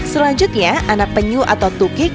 selanjutnya anak penyu atau tukik